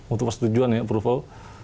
untuk persetujuan ya approval